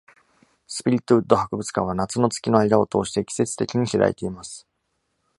スピリットウッド博物館は夏の月の間を通して季節的に開いています。